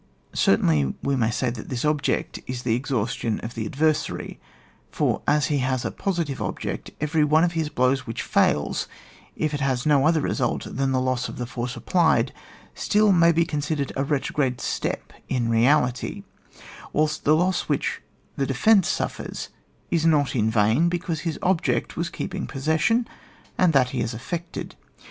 Certainly we may say that this object is the exhaustion of the adversary, for as he has a positive object, every one of his blows which fails, if it has no other result than the loss of the force applied, still may be considered a retrograde step in reality, whilst the loss which the de fensive suffers is not in vain, because his object was keeping possession, and that he has effected.